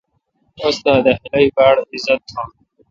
استاد دے خلق باڑ عزت تھان۔